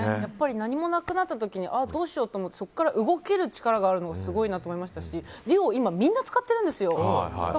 何もなくなった時にそこから動ける力があるのがすごいなと思いましたしＤＵＯ、今みんな使ってるんですよ。